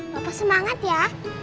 bapak semangat ya